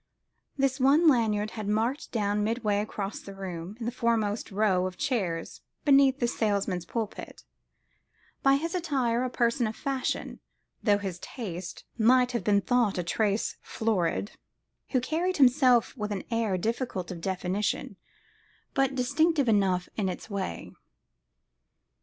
This one Lanyard had marked down midway across the room, in the foremost row of chairs beneath the salesman's pulpit: by his attire a person of fashion (though his taste might have been thought a trace florid) who carried himself with an air difficult of definition but distinctive enough in its way.